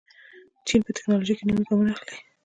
چین په تکنالوژۍ کې نوي ګامونه اخلي.